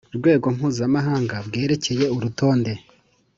Rwego mpuzamahanga bwerekeye urutonde